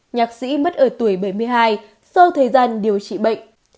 nhạc sĩ mất ở tuổi bảy mươi hai sau thời gian điều trị bệnh